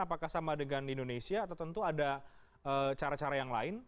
apakah sama dengan di indonesia atau tentu ada cara cara yang lain